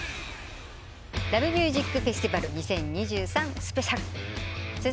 「ＬＯＶＥＭＵＳＩＣＦＥＳＴＩＶＡＬ２０２３」スペシャル。